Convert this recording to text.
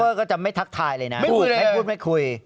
โซเฟอร์ก็จะไม่ทักทายเลยนะไม่พูดไม่คุย